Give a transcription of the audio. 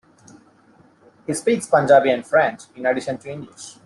He speaks Punjabi and French, in addition to English.